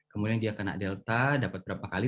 sudah kena delta dapat berapa kali